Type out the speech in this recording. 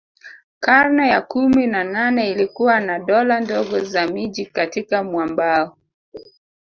Karne ya kumi na nane ilikuwa na dola ndogo za miji katika mwambao